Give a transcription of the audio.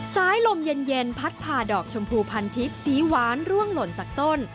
ลมเย็นพัดผ่าดอกชมพูพันทิพย์สีหวานร่วงหล่นจากต้น